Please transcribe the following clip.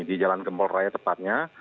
di jalan gempol raya tepatnya